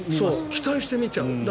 期待して見ちゃう。